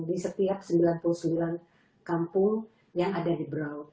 di setiap sembilan puluh sembilan kampung yang ada di brau